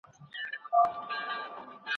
د صفوي پوځ پاتې شوني څه سول؟